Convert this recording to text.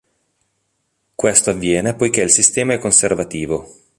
Questo avviene poiché il sistema è conservativo.